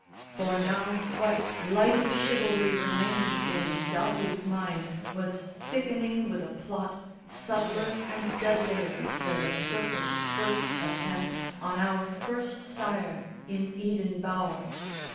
For now what light of chivalry remained In Doughty's mind was thickening with a plot, Subtler and deadlier than the serpent's first Attempt on our first sire in Eden bower.